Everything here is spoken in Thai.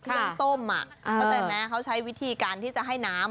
เข้าใจไหมเขาใช้วิธีการที่จะให้น้ำ